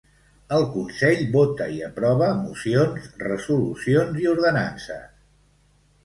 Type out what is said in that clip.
El consell vota i aprova mocions, resolucions i ordenances.